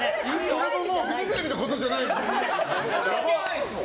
それももうフジテレビのことじゃないっていう。